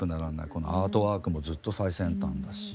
このアートワークもずっと最先端だし。